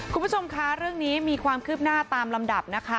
คุณผู้ชมคะเรื่องนี้มีความคืบหน้าตามลำดับนะคะ